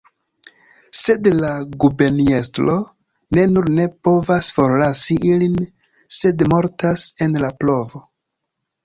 Sed la guberniestro ne nur ne povas forlasi ilin, sed mortas en la provo.